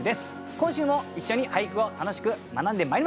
今週も一緒に俳句を楽しく学んでまいりましょう。